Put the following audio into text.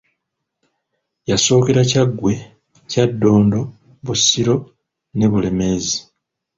Yasookera Kyaggwe, Kyaddondo, Busiro rie Bulemeezi.